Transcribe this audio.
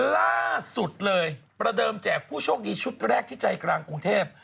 ล่าสุดเลยประเดิมแจกผู้โชคดีชุดแรกที่ใจกลางกรุงเทพ